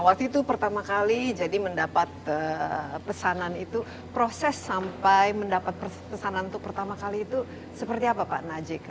waktu itu pertama kali jadi mendapat pesanan itu proses sampai mendapat pesanan untuk pertama kali itu seperti apa pak najik